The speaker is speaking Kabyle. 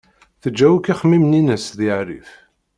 Teǧǧa akk ixemmimen-ines di rrif.